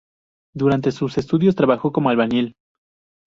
Durante sus estudios trabajó como albañil.